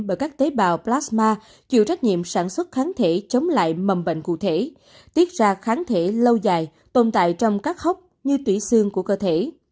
bởi các tế bào plasma chịu trách nhiệm sản xuất kháng thể chống lại mầm bệnh cụ thể